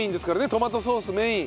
トマトソースメイン。